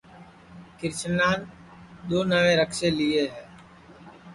کرشنان دؔو نئوئے رکسے لیئے ہے